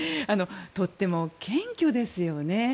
とっても謙虚ですよね。